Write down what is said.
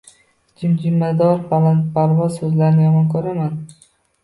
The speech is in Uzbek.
Jimjimador, balandparvoz so‘zlarni yomon ko‘raman.